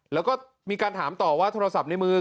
แล้วก็มีการถามต่อว่าโทรศัพท์ในมือ